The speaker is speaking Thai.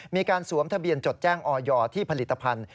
มีการสวมทะเบียนจดแจ้งออยที่ผลิตภัณฑ์